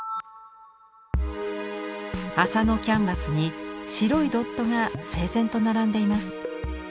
麻のキャンバスに白いドットが整然と並んでいます。